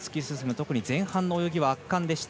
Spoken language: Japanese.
特に前半の泳ぎは圧巻でした。